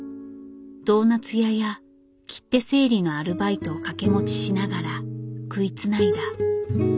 ドーナツ屋や切手整理のアルバイトを掛け持ちしながら食いつないだ。